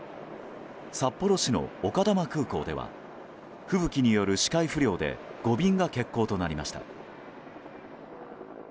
札幌市の丘珠空港では吹雪による視界不良で５便が欠航となりました。